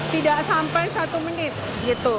tidak sampai satu menit gitu